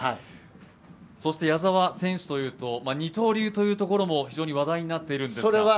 そして矢澤選手というと二刀流というところも非常に話題になっているんですが？